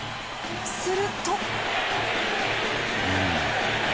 すると。